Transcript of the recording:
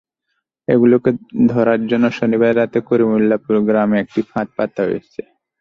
এগুলোকে ধরার জন্য শনিবার রাতে করিমুল্লাহপুর গ্রামে একটি ফাঁদ পাতা হয়েছে।